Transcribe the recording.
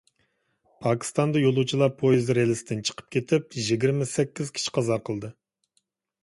پاكىستاندا يولۇچىلار پويىزى رېلىستىن چىقىپ كېتىپ، يىگىرمە سەككىز كىشى قازا قىلدى.